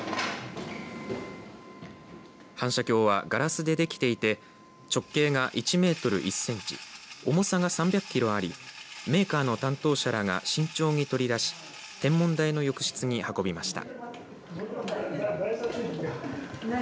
反射鏡はガラスでできていて直径が１メートル１センチ重さが３００キロありメーカーの担当者らが慎重に取り出し天文台の浴室に運びました。